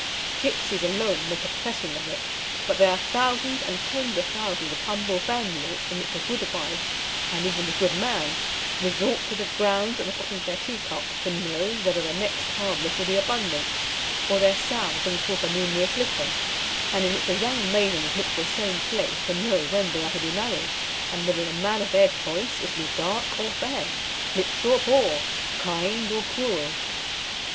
Gipsies alone make a profession of it; but there are thousands and tens of thousands of humble families in which the good wife, and even the good man, resort to the grounds at the bottom of their tea cups, to know whether the next harvest will be abundant, or their sow bring forth a numerous litter; and in which the young maidens look to the same place to know when they are to be married, and whether the man of their choice is to be dark or fair, rich or poor, kind or cruel.